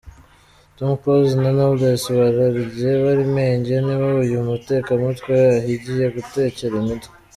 Tom Close na Knowless bararye bari menge ni bo uyu mutekamutwe ahigiye gutekera imitwe.